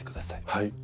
はい。